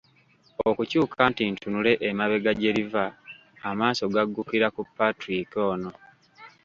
Okukyuka nti ntunule emabega gye liva, amaaso gaggukira ku Partrick ono.